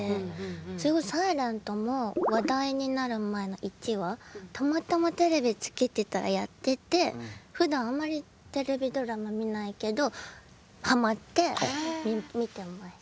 それこそ「ｓｉｌｅｎｔ」も話題になる前の１話たまたまテレビつけてたらやっててふだんあんまりテレビドラマ見ないけどハマって見てます。